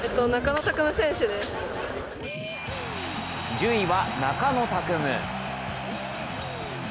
１０位は中野拓夢。